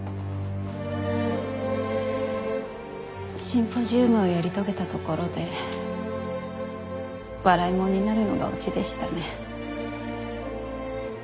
シンポジウムをやり遂げたところで笑い者になるのがオチでしたね。